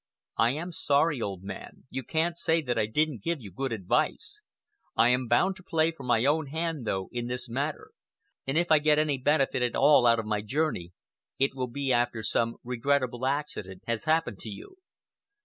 I am sorry, old man. You can't say that I didn't give you good advice. I am bound to play for my own hand, though, in this matter, and if I get any benefit at all out of my journey, it will be after some regrettable accident has happened to you."